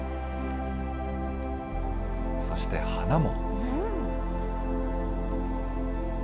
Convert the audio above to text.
そして花も。